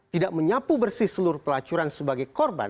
tidak menyapu bersih seluruh pelacuran sebagai korban